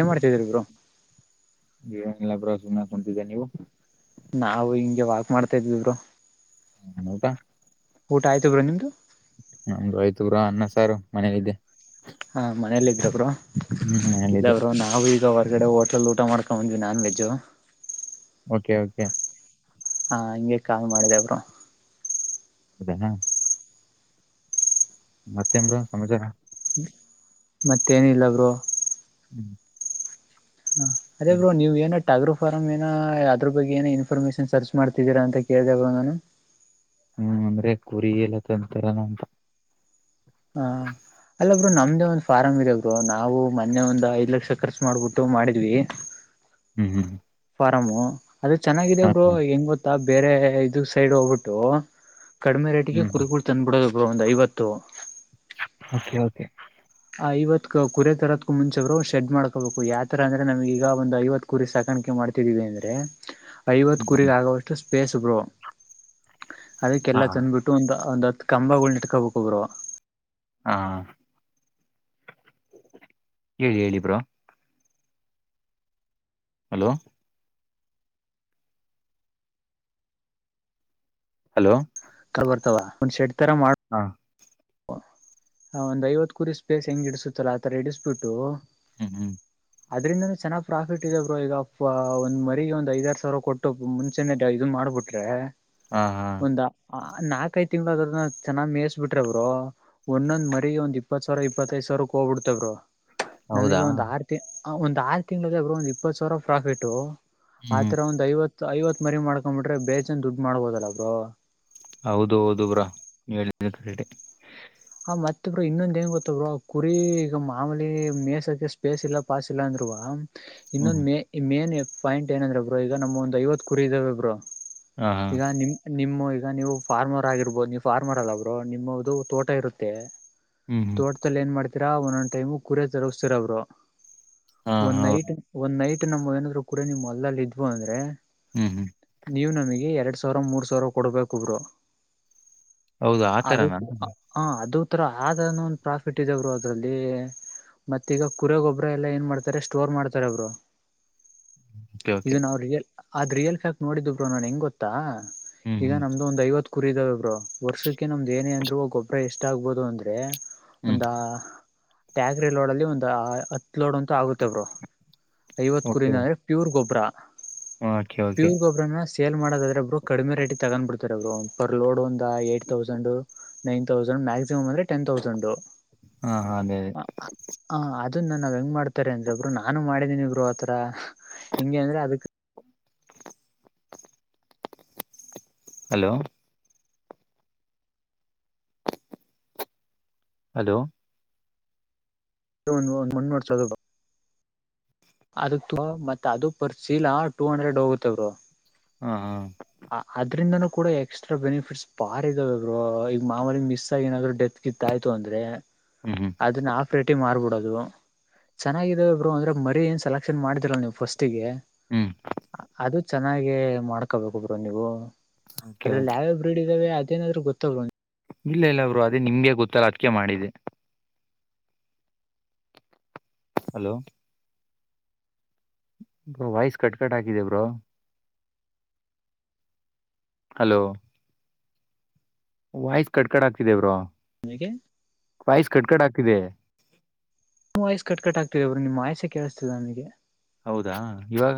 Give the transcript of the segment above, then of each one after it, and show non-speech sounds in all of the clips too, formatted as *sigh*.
ಏನ್ ಮಾಡ್ತಿದೀರಿಬ್ರು ಏನಿಲ್ಲ ಬ್ರೋ ಸುಮ್ನೆ ಕೂತಿದ್ದೆ ನೀವು ನಾವು ಹಿಂಗೆ ವಾಕ್ ಮಾಡ್ತಾ ಇದ್ವಿಬ್ರೋ ಊಟ ಊಟ ಆಯ್ತು ಬಾಯಿ ನಿಮ್ಮದು ನಮ್್ದು *unintelligible* ಆಯ್ತುರ ಅನ್ನ ಸಾರು ಮನಲ್ಲಿದ್ದೆ ಹಾ ಮನೇಲ್ಲ ಇದ್ರಬ್ರು ಮನೇಲಿದ್ದೆ ಇಲ್ಲವರು ನಾವವು ಈಗ ಹೊರ್ಗಡೆ ಹೋಟೆಲ್ ಊಟ ಮಾಡ್ಕೊ ಬಂದ್ವಿ ನಾನ್ ವೆಜ್ ಓಕೆ ಓಕೆ ಹಾ ಹಂಗಗೆ ಕಾಲ್ ಮಾಡಿದ್ದೆ ಬ್ರೋ ಅದೇ ಹಾ ಮತ್ತೇನ್ ಬ್ರೋ ಸಮಾಚಾರ ಮತ್ತೇನಿಲ್ಲ ಬ್ರೋ ಹ್ಮ್ ಹ ಅದೇ ಏನ್? ಬ್ರೋ ನೀವೇನು ಟಾಗ್ರೋ ಫಾರಂ್ *unintelligible* ಏನ ಅದ್ರ ಬಗ್ಗೆ ಏನ ಇನ್ಫಾರ್ಮೇಶನ್ ಸರ್ಚ್ ಮಾಡ್ತಿದ್ದೀರಾ ಅಂತ ಕೇಳ್ದ ಬ ನಾನು... ಹ್ಮ್ ಅಂದ್ರೆ ಕುರಿ ಎಲ್ಲ ತಂತರ ನಂತ. ಹ ಅಲ್ಲೊ ಬ್ರೋ ನಮ್ದೇ ಒಂದ್ ಫಾರಾಮ್ ಇದೆ ಒರು... ನಾವು ಮೊನ್ನೆ ಒಂದ್ ಐದ್ ಲಕ್ಷ ಖರ್ಚು ಮಾಡ್ಬಿಟ್ಟು ಮಾಡಿದ್ವಿ. ಹ್ಮ್ ಹ್ಮ್ *inaudible* ಾರಾಮು *unintelligible* ಅದು ಚೆನ್ನಾಗಾಗಿದೆ ಹಾ, ಬ್ರೋ ಹಾ. ಹೆಂಗ್ ಗೊತ್ತಾ ಬೇರೆ ಇದ ಸೈಡ್ ಹೋಗ್ಬಿಟ್ಟು. ಕಡಿಮೆ ರೇಟಿಗೆ ಹ್ಮ್ ಕುರಿಗಳು ತಂದ್ಬಿಡೋದು ಬ್ರೋ ಒಂದು ಐವತ್ತು. Okay okay. ಆ ಐವತ್ ಕುರಿ ತರೋದ್ಕೂ ಮುಂಚೆ ಬ್ರೋ ಶೆಡ್ ಮಾಡ್ಕೋಬೇಕು ಯಾವ ತರ ಅಂದ್ರೆ ನಮಗ ಈಗ ಒಂದು ಐವತ್ತು ಕುರಿ ಸಾಕಾಣಿಕೆ ಮಾಡಿ ತ್ತೀವಿ ಅಂದ್ರೆ... ಐವತ್ತು ಹ್ಮ್ ಹ್ಮ್. ಕುರಿಗ್ ಆಗೋವಷ್ಟು ಸ್ಪೇಸ್ ಬ್ರೋ ಹಾ ಅದಕ್ಕೆಲ್ಲ ತಂದ್ಬಿಟ್ಟು ಒಂದು ಒಂದು ಹತ್ತ್... ತ್ತು ಕಂಬಗಳನ್ನು ಇಟ್ಕೋಬೇಕು ಬ್ರೋ ಹಾ.... ಹೇಳಿ ಹೇಳಿ ಬ್ರೋ... ಹಲೋ... ಹಲೋ... ಕರ್ ಬರ್ತಾವ ಒಂದ್ ಶೆಡ್ ತರ ಮಾಡ್... ಹಾ ಹ ಒಂದ್ ಐವತ್ ಕುರಿ ಸ್ಪೇಸ್ ಹೆಂಗ ಇಡಸುತ್ತಲ್ಲ ಆತರ ಇಡಿಸ್ಬಿಟ್ಟು... ಹ್ಮ್ ಹ್ಮ್.... ಅದ್ದರಿಂದನೂ ಚೆನ್ನಾಗ್ ಪ್ರಾಫಿಟ್ ಇದೆ ಬ್ರೋ ಈಗ ಒಂದ್ ಮರಿಗೆ ಒಂದ್ ಐದಾರ್ ಸಾವಿರ ಕೊಟ್ಟು ಮುಂಚೇನೆ ಡೆ ಇದ್ನ... ಮಾಡಬುಟ್ರೆ... ಹಾ ಹಾ ಆ ನಾಕ ಐದ್ ತಿಂಗಳಾದ್ರೂ ಅದನ್ನ ಚೆನ್ನಾಗ್ ಮೇಯಿಸಿ ಬಿಟ್ರೆ ಬ್ರೋ. ಬ ಒಂದೊಂದ್ ಮರಿಗೆ ಒಂದ್ ಇಪ್ಪತ್ ಸಾವಿರ ಇಪ್ಪತ್ತೈದ್ ಸಾವಿರಕ್ಕೆ ಹೋಗ್ಬಿಡ್ತೆ ಬ್ರೋ... ಹೌದಾ ನಮಗೆ ಒಂದು ಆರು ತಿ ಒಂದ್ ಆರು ತಿಂಗಳ ಇದ್ರೆ ಬ್ರೋ ಒಂದ್ ಇಪ್ಪತ್ತು ಸಾವಿರ ಪ್ರಾಫಿಟು... ಹ್ಮ್ ಆತರ ಒಂದ್ ಐವತ್ತು ಐವತ್ ಮರಿ ಮಾಡ್ಕೊಂಬಿಟ್ರೆ ಬೇಜನ್ ದುಡ್ ಮಾಡ್ಬೋದಲ್ಲ ಬ್ರೋ... ಹೌದು ಹೌದು ಬ್ರೋ ನೀವ್ ಹೇಳಿದೆ ಕಾರಟೆ.. ಆ ಮತ್ತೆ ಬ್ರೋ ಇನ್ನೊಂದ್ ಏನ್ ಗೊತ್ತ ಬ್ರೋ ಕುರಿ ಈಗ ಮಾಮೂಲಿ ಮೇಹಿಸಕ್ಕೆ ಸ್ಪೇಸ್ ಇಲ್ಲ ಪಾಸ್ ಇಲ್ಲ ಅಂದ್ರೆ... ವಾ ಹ್ಮ್ ಇನ್ನೊಂದ್ ಹ್ಮ್ ಮ ಮೇನ್ ಪಾಯಿಂಟ್ ಏನಂದ್ರೆ ಬ್ರೋ ಈಗ ನಮ್ ಒಂದ್ ಐವತ್ ಕುರಿ ಇದಾವೆ ಬ್ರೋ.... ಹಾ ಹಾ ಈಗ ನಿಮ್ ನಿಮ್ಮ ಈ... ಈಗ ನೀವು ಫಾರ್ಮರ್ ಆಗಿರ್ಬೋದು ನೀವು ಫಾರ್ಮರ್ ಅಲ್ಲ ಬ್ರೋ ನಿಮ್ಮದು ತೋಟ ಇರುತ್ತೆ... ಹ್ಮ್ ಹ್ಮ್ ತೋಟದಲ್ಲಿ ಏನ್ ಮಾಡ್ತೀರಾ ಒಂದೊಂದ್ ಟೈಮ್ ಕುರಿ ತರಸ್ತೀರ ಬ್ರೋ... ಹಾ ಒಂದ್ ಹಾ ನೈಟ್ ಒಂದ್ ನೈಟ್ ನಮ್ ಏನಾದ್ರು ಕುರಿ ನಿಮ್ ಹೊಲದಲ್ಲಿ ಇದ್ವು ಅಂದ್ರೆ... ಹ್ಮ್ ಹ್ಮ್ ನೀವು ನಮಗೆ ಎರಡ್ ಸಾವಿರ ಮೂರು ಸಾವಿರ ಕೊಡ್ಬೇಕು ಬ್ರೋ... ಹೌದು ಆತರ ಅದು ನಾ? ಹ ಅದು ತರ ಅದನ್ನು ಒಂದು ಪ್ರಾಫಿಟ್ ಇದೆ ಬ್ರೋ ಅದ್ರಲ್ಲಿ... ಮತ್ತೆ ಈಗ ಕುರಿ ಗೊಬ್ಬರ ಎಲ್ಲಾ ಏನ್ ಮಾಡ್ತಾರೆ ಸ್ಟೋರ್ ಮಾಡ್ತಾರೆ ಬ್ರೋ... ಓಕೆ ಓಕೆ ಇದು ನಾವು ರಿಯಲ್ ಆದ ರಿಯಲ್ ಫ್ಯಾಕ್ಟ್ ನೋಡಿದು ಬ್ರೋ ನನ್ ಹೆಂಗ್ ಗೊತ್ತಾ... ಹ್ಮ್ ಈಗ ಹ್ಮ್ ನಮ್ದು ಒಂದ್ ಐವತ್ ಕುರಿ ಇದಾವೆ ಬ್ರೋ ವರ್ಷಕ್ಕೆ ನಮ್ದು ಏನೇ ಅಂದ್ರು ಗೊಬ್ಬರ್.... ಎಷ್ಟ್ ಆಗ್ಬಹುದು ಅಂದ್ರೆ ಹ್ಮ್ ಒಂದು ಟ್ರ್ಯಾಕ್ಟರಿ ಲೋಡಲ್ಲಿ ಒಂದು... ಹತ್ತು ಲೋಡ್ ಅಂತ ಆಗುತ್ತೆ ಬ್ರೋ ಐವತ್ತು ಓಕೆ ಕುರಿನ ಅಂದ್ರೆ ಪ್ಯೂರ್ ಗೊಬ್ಬರ... ಓಕೆ ಓಕೆ. ಸೇಲ್ ಮಾಡೋದಾದ್ರೆ ಬ್ರೋ ಕಡಿಮೆ ರೇಟಿಗೆ ತಗಂಡ್ ಬಿಡ್ತಾರೆ ಬ್ರೋ ಪರ್ ಲೋಡ್ ಒಂದು ಎಂಟ್ ತೌಸಂಡ್ ನೈನ್... ತೌಸಂಡ್ ಮ್ಯಾಕ್ಸಿಮಮ್ ಅಂದ್ರೆ ಟೆನ್ ತೌಸಂಡ್... ಹಾ ಹಾ ಅದೇ ಅದೇ... ಅದನ್ ಹೆಂಗ್ ಮಾಡ್ತಾರೆ ಅಂದ್ರೆ ಬ್ರೋ ನಾನು ಮಾಡಿದೀನಿ ಬ್ರೋ ಆತರ ಹೆಂಗೆ ಅಂದ್ರೆ ಅದಕ್... ಹಲೋ... ಹಲೋ... ಇ ಒಂದು ಒಂದು ಮಣ್ಣ್ ಹೊಡ್ಸದು ಬ್ರೋ ಅದಕ್ ಮತ್ತ ಅದು ಪರ್ ಸೀಲಾ ಟೂ ಹಂಡ್ರೆಡ್ ಹೋಗುತ್ತೆ ಬ್ರೋ ಹಾ ಹಾ ಅದ್ರಿಂದನೂ ಕೂಡ ಎಕ್ಸ್ಟ್ರಾ ಬೆನಿಫಿಟ್ಸ್ ಬಾರಿ ಇದಾವೆ ಬ್ರೋ ಈಗ ಮಾಮೂಲಿ ಮಿಸ್ ಆಗಿ ಏನಾದ್ರು ಡೆತ್ ಗಿತ್ತ್ ಆಯ್ತು ಅಂದ್ರೆ ಹ್ಮ್ ಹ್ಮ್ ಅದನ್ನ ಹಫ್ ರೇಟಿಗ್ ಮಾರ್ಬಿಟ್ ಅದು ಚೆನ್ನಾಗಿದವೆ ಬ್ರೋ ಅಂದ್ರೆ ಮರಿ ಏನ್ ಸೆಲೆಕ್ಷನ್ ಮಾಡಿದಿರಲ್ಲಾ ನೀವು ಫಸ್ಟ್ ಟಿಗೆ ಹ್ಮ್ ಅದು ಚೆನ್ನಾಗೆ ಮಾಡ್ಕೋಬೇಕು ಬ್ರೋ ನೀವು.. ಓಕೆ ಅದ್ರಲ್ಲಿ ಓಕೆ ಯಾವ್ ಯಾವ್ ಬ್ರೀಡ್ ಇದ್ದಾವೆ ಅದೇನಾದ್ರೂ ಗೊತ್ತಾ ಬ್ರೋ ನಿ ಇಲ್ಲ ಇಲ್ಲ ಬ್ರೋ ಅದೇ ನಿಮಗೆ ಗೊತ್ತಲ್ಲ ಅದಕ್ಕೆ ಮಾಡಿದೆ. ಹಲೋ ವಾಯಸ್ ಕಟ್ಕಟ್ ಹಾಕಿದೆ ಬ್ರೋ ಹಲೋ ವಾಯ್ಸ್ ಕಟ್ಕಡ್ ಆಗ್ತಿದೆ ಬ್ರೋ ನಿನಗೆ ವೈಸ್ ಕಟ್ ಕಟ್ ಆಗತಿದೆ ನೀ ವೈಯಸ್ಸ ಕಟ್ ಕಟ್ಟ ಆಗ್ತತಿರಿ ಬ್ರೋ ನಿಮ್ಮ ವಾಯಸ್ಸೆ ಕೇಳಿಸತಿಲ್ಲ ನಮಗೆ ಹೌದಾ ಇವಾಗ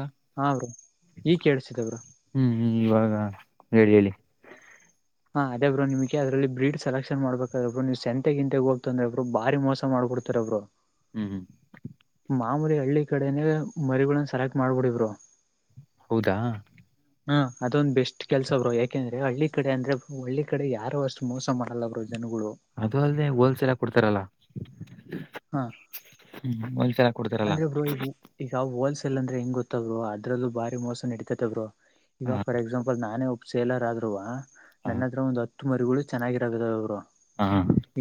ಈಗ ಕೇಳಿಸ್ತಿದೆ ಬ್ರೋ ಹ್ಮ್ಂ ಇವಾಗ ಹೇಳಿ ಹೇಳಿ ಹಾ ಅದೇ ಬ್ರೋ ನಿಮ್ಗೆ ಅದಲ್ಲಿ ಬ್ರೀಡ್ ಸಲೆಕ್ಷನ್ ಮಾಡಬೇಕ ಅ ಬ್ರು ನೀವು ಸಂತೆ ಗಿಂತೆಗ್ ಹೋಗ್ತ ಅ್ರಬ್ರು ಬಾರಿ ಮೋಸ ಮಾಡ್ಬಡ್ತು ಬ್ರೋ ಹ್ಮ್ ಹ್ಮ್ ಮಾಮೂಲಿ ಹಳ್ಳಿ ಕಡೆನೇ ಮರಿಗಳನ್ನ ಸೆಲೆಕ್ಟ್ ಮಾಡ್ಬಿಡಿ ಬ್ರೋ ಹೌದಾ ಹಾ ಅದೊಂದ್ ಬೆಸ್ಟ್ ಕೆಲ್ಸ ಬ್ರೋ ಯಾಕೆಂದ್ರೆ ಹಳ್ಳಿ ಕಡೆ ಅಂದ್ರೆ ಹಳ್ಳಿ ಕಡೆ ಯಾರು ಅಷ್ಟು ಮೋಸ ಮಾಡಲ್ಲ ಅವರು ಅದು ಅಲ್ದೆೇ ಹೋಲ್ಸೇಲ್ ಆಗ ಕೊಡ್ತಾರಲ್ಲಾ ಹಾ ಅಂದ್ರೆ ಬ್ರೋ ಈಗ ಈಗ ಹೋಲ್ಸ್ ಅಂದ್ರೆ ಹೆಂಗ ಗೊತ್ತ ಬ್ರೋ ಅದ್ರಲ್ಲೂ ಬಾರಿ ಮೋಸ ನಡಿತದ ಬ್ರೋ ಈಗ ಹ ಫಾರ್ ಎಕ್ಸಾಂಪಲ್ ನಾನೇ ಸೇಲರ್ ಆದ್ರೂ ಹ ನನ್ನತ್ರ ಒಂದು ಹತ್ತು ಮರಿಗಳು ಚೆನ್ನಾಗಿದ್ದು ಅವ್ರು ಬ್ರೋ ಹ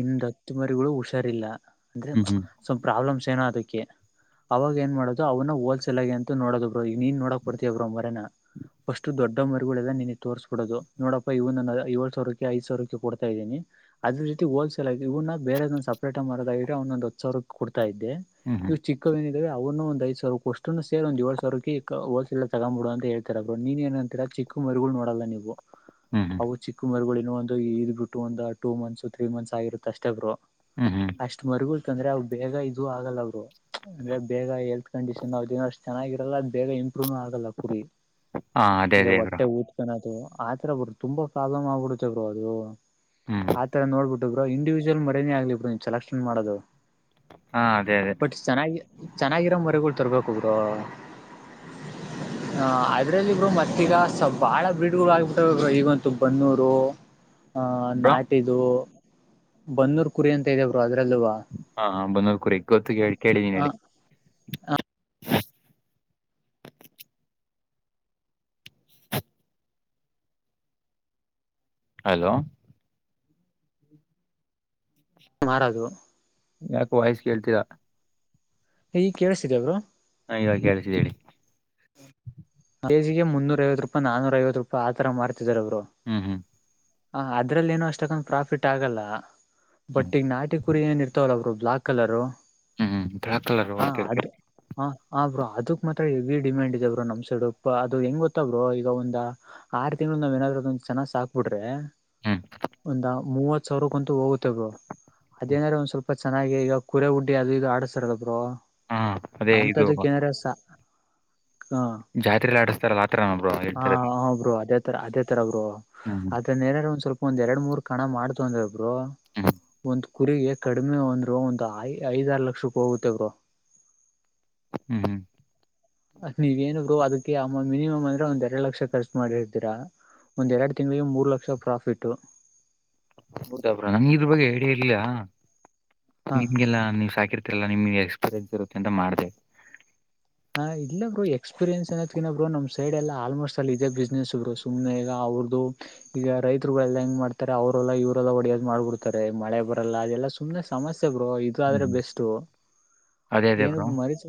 ಇಂದು ಹತ್ತು ಮರಿಗಳು ಹುಷಾರಿಲ್ಲ ಅಂದ್ರೆ ಹ್ಮ್ ಹ್ಮ್ ಸ್ವಲ್ಪ ಪ್ರಾಬ್ಲಮ್ ಅದಕ್ಕೆ ಅವಾಗ ಏನ್ ಮಾಡೋದು ಅವ್ನ್ ಹೋಲ್ಸೆಲ್ ಆಗ ಅಂತ ನೋಡೋ ಬ್ರೋ ನೀನ್ ನೋಡ ತಿರ ಮರೇನ ಅ ಫಸ್ಟ್ ದೊಡ್ಡ ಮರಿಗಳದ ನೀ ತೋರಿಸ್ಬಿಡುದು ನೋಡಪ್ಪಾ ಇವನ್ ಏಳ ಸಾವಿಕ್ಕೆ ಐ ಸಾವಿರ ರಕ್ಕೆ ಕೊಡ್ತ ಇದೀನಿದ ರೀ ಹೋಲಲ್ಗ ಇವನ ಬೇರೆದ ಸಪೇಟ್ರದ ಇದೊಂದು ಒತ್ ಸಾವಿರ ಕೊಡ್ತಾ ಇದ್ದೆ ಹ್ಮ್ ಹ್ಮ್ ಇವು ಚಿಕ್ಕವೇನ ಇದಾವೆ ಅವನು ಐದು ಸಾವಿರೂ ಅಷ್ಟು ಸೇರ್ ಒಂದ ಏಳ್ ಸಾವಿರ ಹೋಲ್ಸೇಲ್ ತಗ್ಬಡುದು ಅಂತೇಳ್ತರು ನೀನ್ ಏಂತರ ಚಿಕ್ಕ ಮರಿಗಳು ಮಾಡೋಡಲ್ *unintelligible* ಹ್ಮ್ ಹ್ಮ್ ಹ್ಮ್ ಅವು ಚಿಕ್ಕ ಮರಿಗಳನ ಒಂದು ಇದ್ ಬಿಟ್ಟು ಒಂದು ಟೂ ಮಂತ್ಸ್ ತ್ರೀ ಮಂತ್ಸ್ ಆಗಿರುತ್ತೆ ಅಷ್ಟೇ ಬ್ರು ಹ್ಮ್ ಹ್ಮ್ ಅಷ್ಟ್ ಮರಿಗಳತಂದ್ರೆ ಅವ ಬೇಗ ಇದು ಆ ಅಂದ್ರೆ ಬೇಗ ಹೆಲ್ತ್ ಕಂಡೀಷನ್ ಅವ ಚೆನಾಗಿರಲ್ಲ ಬೇ ಗುಣ ಆಗಲ್ಲ ಕುರಿ ಹಾ ಅದೇ ಅಂದ್ರೆ ಅದೇ ಬ್ರೋ ಹೊಟ್ಟೆ ಊದಕನದು ಆತರ ಬ್ರೋ ತುಂಬಾ ಪ್ರಾಬ್ಲಮ್ ಆಗ್ಬಿಡತೇ ಬ್ರೋ ಅದು ಹ್ಮ್ ಆತರ ನೋಡ್ಬಿಟ್ಟು ಬ್ರೋ ಇಂಡಿವಿಜುವಲ್ ಮರೀನೇ ಆಗ್ಲಿ ಬ್ರೋ ನೀನ್ ಸೆಲೆಕ್ಷನ್ ಮಾಡೋದು ಹಾ ಅದೇ ಅದೇ ಬಟ್ ಚೆನ್ನಾಗಿ ಚೆನ್ನಾಗಿರೋ ಮರಿಗಳು ತರ್ಬೇಕೋ ಬ್ರೋ ಹ ಅದ್ರಲ್ಲಿಬ್ರು ಮತ್ತೀಗ ಬಾಳ ಬ್ರೀಡ್ ಆಗ್ಬಿಟ್ಟ ಈಗಂತ ಬನ್ನೂರು ಆಹ ಬ್ರೋ ನಾಟಿದು ಬನ್ನೂರ್ ಕುರಿ ಅಂತ ಇದವರು ಅದ್ರಲ್ಲವಾ ಹಾ ಬನ್ನೂರ್ ಕುರಿ ಗೊತ್ತು ಕೇಳಿ ಕೇಳಿದೀನ ಹೇಳಿ ಹಲೋ ಮಾರದು ಯಾಕೋ ವಾಯ್ಸ್ ಕೇಳ್ತಿಲಾ ಹೇಳಿದ ಕೇಳಿಸಿದೆ ಬ್ರೋ ಹಾ ಇವಾಗ ಕೇಳಸತಿದೇ ಹೇಳಿ ಕೆಜಿಗೆ ಮುನ್ನೂರ ಐವತ್ತು ರೂಪಾಯಿ ನಾನೂರ ಐವತ್ತು ರೂಪಾಯಿ ಆತರ ಮಾಡ್ತಿದಾರ ಅವರು ಹ್ಮ್ ಹ್ಮ್ ಹ ಅದ್ರಲ್ಲಿ ಏನೋ ಅಷ್ಟ ಅಕಂದ ಪ್ರಾಫಿಟ್ ಆಗಲ್ಲ ಹ್ಮ್ ಬಟ್ ಈಗ ನಾಟಿ ಕುರಿ ಏನ್ ಇರ್ತವಲ್ಲ ಬ್ರೋ ಬ್ಲಾಕ್ ಕಲರು ಹ್ಮ್ ಬ್ಲಾಕ್ ಕಲರ್ *unintelligible* ಅದು ಗ ಹ ಹಾ ಬ್ರೋ ಅದಕ್ ಮಾತ್ರ ಹೆವಿ ಡಿಮ್ಯಾಂಡ್ ಇದೆ ಬ್ರು ನಮ್ಮ ಸೈಡ್ ಅದು ಹೆಂಗ್ ಗೊತ್ತ ಬ್ರು ಈಗ ಒಂದ್ ಆರು ತಿಂಗಳು ನಾವ್ ಏನಾದ್ರು ಅದ ಚೆನ್ನಾಗ್ ಸಾಕ್ಬಿಡ್ರೆ ಹ್ಮ್ ಒಂದ ಮೂವತ್ ಸಾವಿರಕ್ಕಂತು ಹೋಗುತ್ತ ಬ್ರೋ ಅದೇನಾರ ಒಂದ್ ಸ್ವಲ್ಪ ಚೆನ್ನಾಗಿ ಈಗ ಕುರೆ ಉುಡ್ಡಿ ಅದು ಈದು ಆಡಿಸ್ತಾರಬೇಕು ಹಾ ಅದೇ ಇದು ಅಂತದಕ್ಕೆೇಂದ್ರೆ ಸ ಹ ಜಾತ್ರೆಲಿ ಆಡಿಸ್ತಾರಲ್ಲ ಆತರ ಬ್ರೋ ಹಾ ಹೇಳ್ತಿರೋದು ಹ ಬ್ರರು ಅದೇ ತರ ಅದೇ ತರ ಬ್ರರು ಹ್ಮ್ ಅದೇನ್ರ ಒಂದ್ ಸ್ವಲ್ಪ ಒಂದು ಎರಡು ಮೂರು ಕಣ ಮಾಡುತುಅಂದ್ರೆೊಬ್ರು ಹ್ಮ್ ಒಂದು ಕುರಿಗೆ ಕಡಿಮೆ ಒಂದ್ರು ಒಂದು ಐ ಐದಾರ ಲಕ್ಷ ರೂಪಿ ಹೋಗುತ್ ಬ್ರೋ ಹ್ಮ್ ಹ್ಮ್ ಅದ ನೀವ ಏನ ಬರು ಅದಕ್ಕೆ ಅ ಮಿನಿಮಮ್ ಅಂದ್ರೆ ಒಂದ್ ಎರಡು ಲಕ್ಷ ಖರ್ಚು ಮಾಡಿರ್ದ್ದೀರಾ ಒಂದ್ಎರಡು ತಿಂಗಳಿಗೆ ಮೂರು ಲಕ್ಷ ಪ್ರಾಫಿಟ್ ಹೌದಾಬ್ರ ನಂಗ ಇದ್ರ ಬಗ್ಗೆ ಹೇಳಿಯ ಇರ್ಯಾ ಹ ನಿಮ್ಗೆಲ್ಲಾ ನೀವ್ ಸಾಕಿರ್ತ ನಿಮಗೆ ಎಕ್ಸ್ಪೀರಿಯನ್ಸ್ ಇರುತ್ತೆ ಅಂತ ಮಾಡ್ದ ಹಾ ಇಲ್ಲ ಬರು ಎಕ್ಪೀರಿಯನ್ಸ್ ಏಕಿ ಬರು ನಮ ಸೈಡ್ ಎಲ್ಲ ಆಲ್ಮೋಸ್ಟ್ ಅಲ್ಲಿಲ್ಲ ಇದೇ ಬಿಸ್ನೆಸ್ರು ಸುನೆ ಈಗ ಅವ್ರ ಈಗ ರೈತರುಗಳೆಲ್ಲಾ ಹೆಂಗ ಮಾಡ್ತಾರೆ ಅವರೆಲ್ಲ ಇವರೆಲ್ಲ ಹೊಡೆಯೋದು ಮಾಡ್ಬಿಡ್ತಾರೆ ಮಳೆ ಬರಲ್ಲ ಅದೆಲ್ಲ ಸು ಒ ಸಮಸ್ಯೆ ಬ್ರೋ ಇದು ಆದ್ರೆ ಹ್ಮ್ ಬೆಸ್ಟ್ ಅದೇ ಅದೇ ಏನು ಬ್ರೋ ಮರತ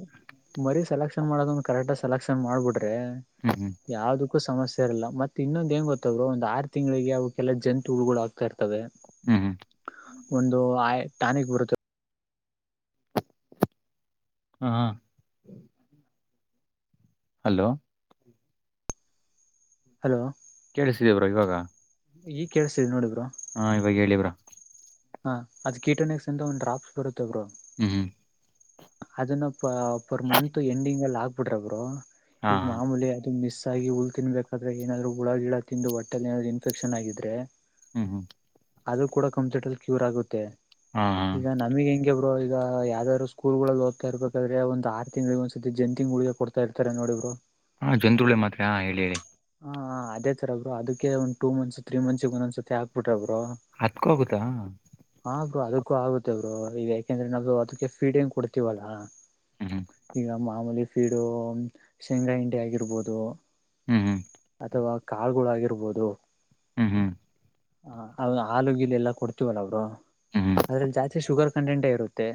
ಮರಿಸೆಲೆಕ್ಷನ್ ಮಾಡೋದಂದು ಕರೆಕ್ಟ್ ಸೆಲೆಕ್ಷನ್ ಮಾಡ್ಬಿಟ್ರೆ ಹ್ಮ್ ಹ್ಮ್ ಯಾವ್ದ ಸಮಸ್ಯೆ ಇಲ್ಲ ಮತ್ತ ಇನ್ನೊಂದು ಏಂಗ ಗೊತ್ತದ್ರು ಒಂದು ಆರು ತಿಂಗಳಿಗೆ ಅವೆಲ್ಲ ಜಂತು ಉಳಗಳು ಹ ಆಗ್ತಾ ಇ ಹ್ಮ್ ಹ್ಮ್ ಒಂದು ಆಯ ನಿಕ್ ಬರುತ್ತದೆ ಹಾ ಹಲೋ ಹಲೋ ಕೇಳಿಸ್ತಾ ಇದಿಯಾ ಬ್ರೋ ಇವಾಗ ಈಗ ನೋಡಿ ಬ್ರೋ ಕೇಳಿಸ್ತಿದೆ ಹೇಳು ಬ್ರೋ ಹಾ ಅದ್ ಕೀಟಾಣಿಕ್ಸ್ ಎಂತ ಒಂದ ಡಾಪ್ಸ್ ಬರುತ್ತೆಬ್ರು ಹ್ಮ್ ಹ್ಮ್ ಅದನ್ನ ಪ ಪರ್ ಮತ್ ಎಂಡಿಂಗ್ ಅಲ್ಲಿ ಆಗ್ಬಿಡ್ರಬ್ರು ಹಾ ಈಗ ಹಾ ಮಾಮೂಲಿ ಅದು ಮಿಸ್ ಹುಲ್ ತಿನ್ಬೇಕಾದ್ರೆ ಏನಾದ್ರು ಹುಳ ಗಿಡ ತಿಂದು ಒಟ್ಟೆ ಏನಾದ್ರರು ಇನ್ಫೆಕ್ಷನ್ ಆಗಿದ್ರೆ ಹ್ಮ್ ಹ್ಮ್ ಅದು ಕೂಡ ಕಂಪ್ಯೂಟ ಅಲ್ಲಿ ಕ್ಯೂರ್ ಆಗುತ್ತೆ ಹಾ ಹಾ ಈಗ ನಮಗ್ ಹೆಂಗೆ ಬೋ ಈಗ ಯಾವ್ದಾದ್ರು ಸ್ಕೂಲ್ ಗಳಲ್ಲಿ ಹದ್ತಾ ಇರ್ಬೇಕಾದ್ರೆ ಒಂದ ಆರು ತಿಂಗಳಿಗೆ ಒಂದ್ ಸತಿ ಜನ್ ತಿಂಳಗ ಕೊಡ್ತಾ ಇರ್ತಾರೆ ನೋಡ ಇರು ಹಾ ಜಂತ್ರುಗಳೇ ಮಾತ್ರ ಹ ಹೇಳಿ ಹೇಳಿ ಹಾಅದೇ ತರಬ್ರು ಅದಕ್ಕೆ ಒಂದು ಮಂತ್ಸ್ ತ್ರೀ ಮಂತ್ ಸಿಗ ಒಂದ್ ಸ ಹಾಕ್ ಬಿಟ್ರೆಬ್ರು ಹತ್ಕೋಗುತ್ತಾ ಹಾರರು ಅದಕ್ಕೂ ಆಗುತ್ತೆ ಬರು ಇವ ಯಾಕೆಂದ್ರೆ ನಾವ್ದವು ಅದಕ್ಕೆ ಫೀಡ್ ಗ್ ಕೊಡ್ತತಿವಲ್ಲಾ ಹ್ಮ್ ಈಗ ಮಾಮೂಲಿಫೀಡು ಶೇಂಗ್ರಾಹಿಂಡಿ ಆಗಿರ್ಬೋದು ಹ್ಮ್ ಹ್ಮ್ ಅಥವಾ ಕಾಳಗಳುಗಿರ್ಬೋದು ಹ್ಮ್ ಹ್ಮ್ ಹ ಹಲೂ ಗಿಲ್ ಎಲ್ಲಾ ಕೊಡ್ತೀವಲ್ಲ ಅವರು ಹ್ಮ್ ಹ್ಮ್ ಅದ್ರಲ್ಲಿ ಜಾಸ್ತಿ ಶುಗರ್ ಕಂಟೆಂಟೇ ಇರುತ್ತೆ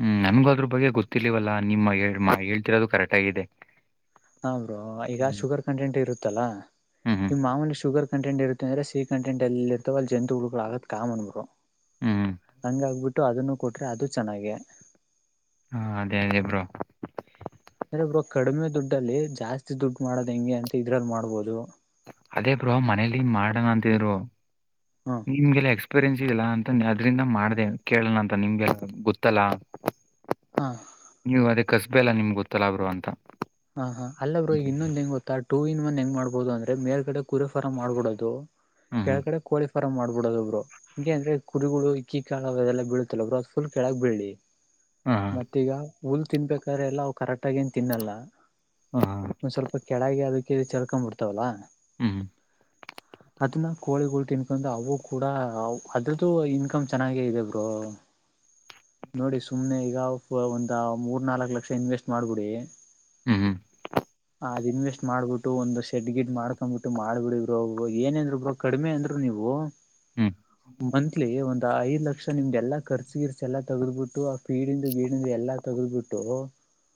ಹ್ಮ್ ನನ್ಗೂ ಅದ್ರ ಬಗ್ಗೆ ಗೊತ್ತಿಲವಲ್ಲಾ ನಿಮ್ಮ ಮಾ ಹೇಳ್ತಿರೋದು ಕರೆಕ್ಟ್ ಆಗಿದೆ ಹ್ರೋ ಈಗ ಶುಗರ್ ಕಂಟೆಂಟ್ ಇರುತ್ತಲ್ಲಾ ಹ್ಮ್ ಹ್ಮ್ ಈಮ ಮಾಮೂಲಿ ಶುಗರ್ ಕಂಟೆಂಟ್ ಇರುತ್ತ ಅ್ರೆ ಸಿ ಕಂಟ್ ಅಲ್ಲಿ ಇರ್ತವೆ ಅಲ್ಲಿ ಜಂತುಗಳುಗತ್ ಕಾಮನ್ ಬರು ಹ್ಮ್ ಹಂಗಾಗಬಿಟ್ಟು ಅದನ್ನು ಕೊಟ್ರೆ ಅದು ಚೆನ್ನಾಗ ಹಾ ಅದೇ ಅದೇ ಬ್ರೋ ಅಂದ್ರೆ ಇಬ್ರು ಕಡಿಮೆ ದುಡ್ಡಲ್ಲಿ ಜಾಸ್ತಿ ದುಡ್ಡು ಮಾಡೋದ ಹೆಂಗೆ ಅಂತ ಇದ್ರಲ್ಲಿ ಮಾಡ್ಬೋದು ಅದೇ ಬ್ರೋ ಮನೇಲಿನ್ ಮಾಡೋಣ ಅಂತಿದ್ರು ಹ್ಮ ನಿಮ್ಗೆಲ್ಲ ಎಕ್ಸ್ಪೀರಿಯನ್ಸ್ ಇಲ್ಲಾ ಅಂತ ಆದ್ರಿಂದ ಮಾಡಿದೆ ಕೇಳಣ ಅಂತ ನಿಮ್ಗೆ ಗೊತ್ತಲ್ಲ ಹ ನೀವು ಅದ ಕಸಬೆಲ್ಲ ನಿಮ್ಗೆ ಗೊತ್ತಲಬ್ರು ಅಂತ ಹಾ ಹಾ ಅಲ್ಲಬ್ರು ಇನ್ನೊಹೆಂಗ್ ಗೊತ್ತಾಡ್ ಟೂ ಇನ್ ಒನ್ ಹೆಂಗ್ ಮಾಡ್ಬಹುದು ಅಂದ್ರೆ ಮೇಲ್ ಕಡೆ ಗುರುಫಾರ್ ಮಾಡ್ಬಿಡೋದು ಹ್ಮ್ ಹ್ಮ್ ಕೆಳಗಡೆ ಕ್ಲಫೈ ಪಾರ ಮಾಡಬ ಬಿಡೋದ ಒಬ್ರು ಹೀಂ ಅಂದ್ರೆ ಕುರಿಗಳು ಇಕ್ಕಿ ಕಾಳದೆಲ್ಲ ಬೀಳುತ್ತಲೊಬ್ರು ಅ ಫುಲ್ ಕೆೇಳಕ್ ಬೀಳ್ಳಿ ಹ್ಮ್ ಮತ್ತ ಈಗ ಹುಲ್ ತಿನ್ಬೇಕಾದ್ರೆ ಎಲ್ಲವು ಕರೆಕ್ಟ್ ಆಗ ಏನ್ ತಿನ್ನಲ್ಲ ಒಂದ್ ಸ್ವಲ್ಪ ಕೆಳಗೆ ಅದಕ್ಕೆ ಚರ್ಕೊ ಬಿಡ್ತಾವಲ್ಲ ಹ್ಮ್ *inaudible* ಅದನ್ನ ಕೋಳಿಗಳು ತಿನ್ಕೊಂಡ ಅವು ಕೂಡ ಅದ್ರದ್ದು ಇನ್ಕಮ್ ಚೆನ್ನಾಗೇ ಇದೆ ಬರು *inaudible* ನೋಡಿ ಸುಮ್ನೆ ಈಗ ಒಂದು ಮೂರ್ನಾಾಲ್ಕು ಲಕ್ಷ ಇನ್ವೆಸ್ಟ್ ಮಾಡ್ಬಿಡಿ ಹ್ಮ ಹ್ಮ ಅದ್ನ್ವೆಸ್ಟ್ ಮಾಡ್ಬಿಟ್ಟು ಒಂದ್ ಶೆಡ್ ಗಿಡ್ ಮಾಡ್ಕೊಂಡ್ಬಿಟ್ಟು ಮಾಡ್ಬಿಡಿಬ್ರೋ ಏನೇಂದ್ರು ಬ್ರೋ ಕಡಿಮೆ ಅಂದ್ರು ನೀವು ಹ್ಮ್ ಹ್ಮ್ ಹ್ಮ್ ಹ್ಮ್ ಮಂತ್ಲಿ ಒಂದ್ ಐದ್ ಲಕ್ಷ ನಿಮ್ಗೆ ಎಲ್ಲ ಖರ್ಚಿಗಿರ್ಸ ಎಲ್ಲಾ ತಗದ್ಬಿಟ್ಟು ಆ ಫೀಡಂದು ಗೀಡ ಎಲ್ಲಾ ತಗಲ್್ಬಿಟ್ಟು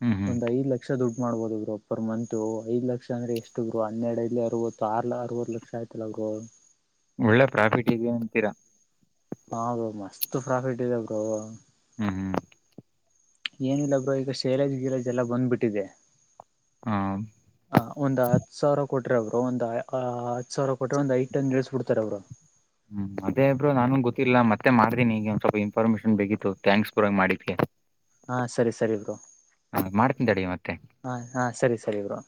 ಹ್ಮ್ ಹ್ಮ್ ಹ್ಮ್ ಒಂದ್ ಐ್ ಲಕ್ಷ ದುಡ್ಡು ಮಾಡ್ಬಹುದುರು ಪರ್ ಮಂತತ್ ಐ್ ಲಕ್ಷ ಅಂದ್ರೆ ಎಷ್ಟು ಗರು ಹನ್ನೆರಡಲಿ ಅವತ್ತು ಆ ಅರವತ್ತು ಲಕ್ಷ ಆಯ್ತಲ್ಲರು ಫಲ್ ಒಳ್ಳೆ ಪ್ರಾಫಿಟ್ ಇದೆ ಅಂತೀರಾ ಹದು ಮಸ್ತ್ ಪ್ರಾಫಿಟ್ ಇದೆ ಬ್ರೋ ಹ್ಮ್ ಏನಿಲ್ಲಬ್ರ ಈಗ ಶೈಲಜ್ ಗಿರೇಜ್ ಎಲ್ಲ ಬಂದ್ಬಿಟ್ಟಿದೆ ಹ್ಮ್ ಹ ಒಂದು ಹತ್ತು ಸಾವಿರ ಕೊಟ್ರ ಅವ್ರು ಒಂದ ಹದ್ ಸಾವಿರ ಕೊಟ್ರೆ ಒಂದ್ ಐದು ಟನ್ಳಿಸಸ್ಬ ಬಿಡ್ತಾರ ಅವ್ರು ಹ್ಮ್ ಅದೇ ಇಬ್್ರರು ನಾನುನ್ ಗೊತ್ತಿಲ್ಲ ಮತ್ತೆ ಮಾಡ್ದಿನಿ ಈಗ ಒಂದ್ ಸ್ವಲ್ಪ ಇನ್ಫಾರ್ಮೇಶನ್ ಬೇಕಿತ್ತು ಥ್ಯಾಂಕ್ಸ್ ಗುರ ಮಾಡಿದವಿ ಹಾ ಸರಿ ಸರಿ ಇ ಬರು ಮಾಡ್ತೀನಿ ತಡಿ ಮತ್ತೆ. *inaudible* ಹಾ ಹಾ ಸರಿ ಸರಿ ಬ್ರೋ